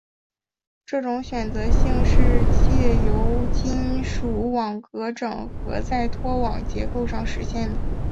这种选择性是藉由金属网格整合在拖网结构上实现的。